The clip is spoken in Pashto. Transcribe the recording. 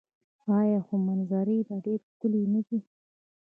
آیا خو منظرې یې ډیرې ښکلې نه دي؟